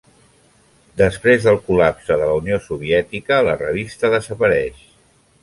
Després del col·lapse de la Unió Soviètica, la revista desapareix.